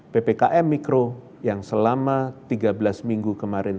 ppkm mikro yang selama tiga belas minggu kemarin